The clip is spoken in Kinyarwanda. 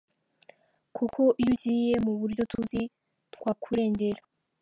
Kuko iyo ugiye mu buryo tuzi…twakurengera.